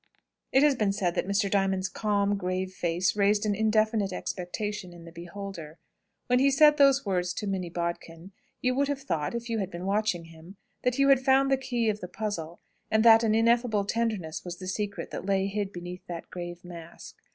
It has been said that Mr. Diamond's calm, grave face raised an indefinite expectation in the beholder. When he said those words to Minnie Bodkin, you would have thought, if you had been watching him, that you had found the key of the puzzle, and that an ineffable tenderness was the secret that lay hid beneath that grave mask.